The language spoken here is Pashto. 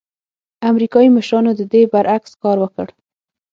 امریکايي مشرانو د دې برعکس کار وکړ.